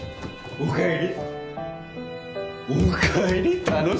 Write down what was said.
おかえり！